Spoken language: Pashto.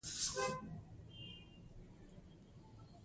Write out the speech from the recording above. د تودوخې په وخت کې د سر پټول له لمر وهنې څخه مو ساتي.